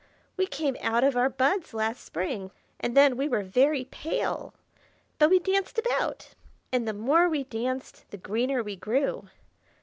We came out of our buds last spring, and then we were very pale. But we danced about, and the more we danced the greener we grew.